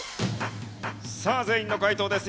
さあ全員の解答です。